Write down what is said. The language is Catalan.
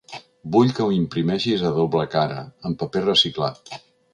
Vull que ho imprimeixis a doble cara, en paper reciclat.